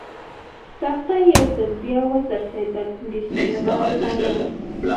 تخته یو ځل بیا و څرخېدل، د سیند غاړې ته مې.